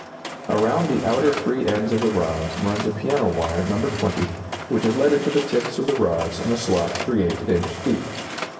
Around the outer free ends of the rods runs a piano wire No. 20, which is let into the tips of the rods in a slot ⅜ inch deep.